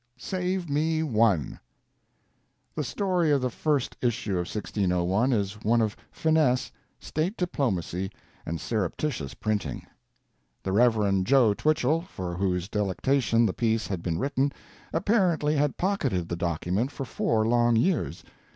"SAVE ME ONE." The story of the first issue of 1601 is one of finesse, state diplomacy, and surreptitious printing. The Rev. "Joe" Twichell, for whose delectation the piece had been written, apparently had pocketed the document for four long years.